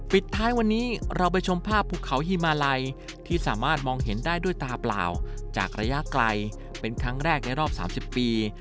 ปิดท้ายวันนี้เราไปชมภาพภูเขาฮิมาลัยที่สามารถมองเห็นได้ด้วยตาเปล่าจากระยะไกลเป็นครั้งแรกในรอบ๓๐ปี